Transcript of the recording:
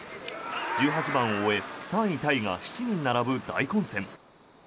１８番を終え３位タイが７人並ぶ大混戦。